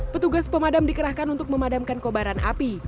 petugas pemadam dikerahkan untuk memadamkan kobaran api